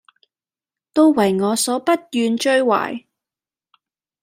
都爲我所不願追懷，